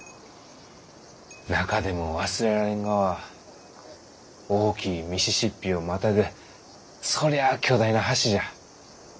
中でも忘れられんがは大きいミシシッピをまたぐそりゃあ巨大な橋じゃ。